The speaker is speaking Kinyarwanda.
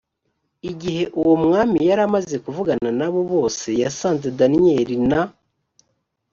igihe uwo mwami yari amaze kuvugana na bo bose yasanze daniyeli na